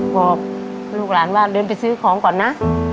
บอกลูกหลานว่าเดินไปซื้อของก่อนนะ